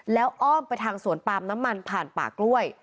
แล้วอ้อมไปทางสวนปาล์มน้ำมันผ่านป่ากล้วย